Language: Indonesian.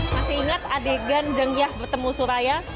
masih ingat adegan jengyah bertemu suraya